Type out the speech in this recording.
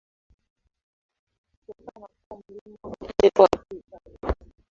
kutokana na kuwa mlima mrefu Africa